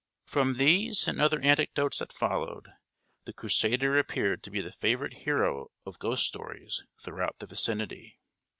From these and other anecdotes that followed, the crusader appeared to be the favourite hero of ghost stories throughout the vicinity.